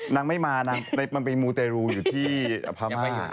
นางไม่มานางมันไปมูเตรูอยู่ที่พม่า